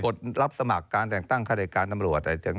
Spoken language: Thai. กดรับสมัครการแต่งตั้งคาดิการตำรวจอะไรต่าง